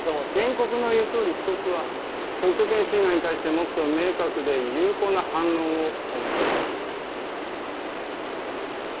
原告の言う通り被告は特許権侵害に対してもっと明確で有効な反論をお願いします。